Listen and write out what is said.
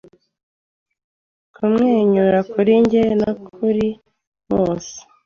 Kumwenyura kuri njye no kuri bose